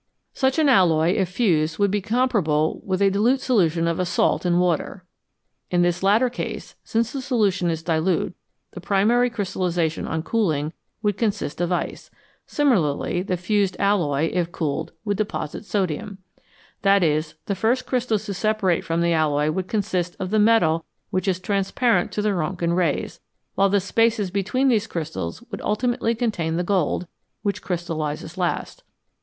Such an alloy if fused would be comparable with a dilute solution of a salt in water. In this latter case, since the solution is dilute, the primary crystallisation on cooling would consist of ice ; similarly, the fused alloy, if cooled, would deposit sodium. That is, the first crystals to separate from the alloy would consist of the metal which is transparent to the Rontgen rays, while the spaces between these crystals would ultimately contain the gold, which crystallises last.